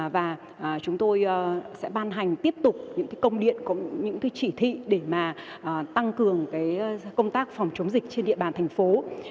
và chúng tôi sẽ ban hành tiếp tục những công điện những chỉ thị để mà tăng cường công tác phòng chống dịch trên địa bàn thành phố